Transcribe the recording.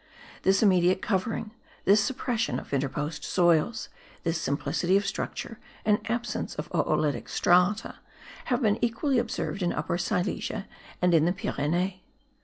This immediate covering, this suppression of interposed soils, this simplicity of structure and absence of oolitic strata, have been equally observed in Upper Silesia and in the Pyrenees.